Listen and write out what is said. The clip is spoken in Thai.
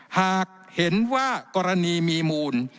หากเห็นว่ากรณีมีมูล